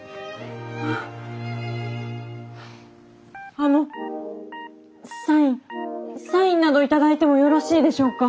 あのサインサインなど頂いてもよろしいでしょうか？